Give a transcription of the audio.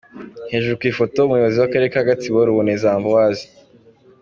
Hejuru ku ifoto:Umuyobozi w’akarere ka Gatsibo Ruboneza Ambroise.